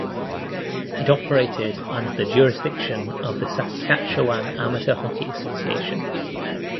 It operated under the jurisdiction of the Saskatchewan Amateur Hockey Association.